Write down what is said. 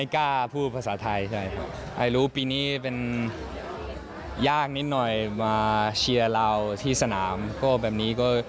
ก็แบบนี้